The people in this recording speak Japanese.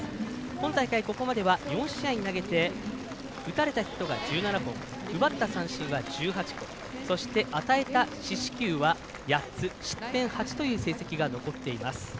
今大会、ここまでは４試合投げて打たれたヒットが１７本奪った三振は１８個そして、与えた四死球は８つ失点８という成績が残っています。